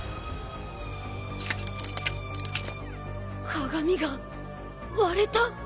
鏡が割れた。